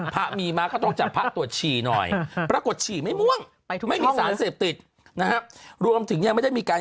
พระมีหมาก็ต้องจับพระตรวจชี้น้อย